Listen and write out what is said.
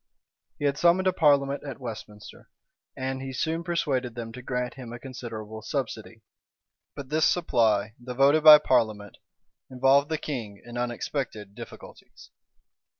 He had summoned a parliament at Westminster;[] and he soon persuaded them to grant him a considerable subsidy.[] But this supply, though voted by parliament, involved the king in unexpected difficulties.